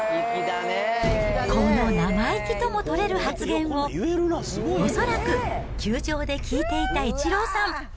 この生意気とも取れる発言を、恐らく球場で聞いていたイチローさん。